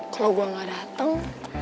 kalo gue ga dateng